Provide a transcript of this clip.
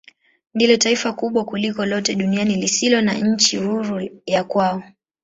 Ndilo taifa kubwa kuliko lote duniani lisilo na nchi huru ya kwao.